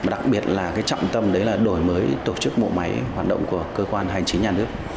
đặc biệt là trọng tâm đổi mới tổ chức mộ máy hoạt động của cơ quan hành chính nhà nước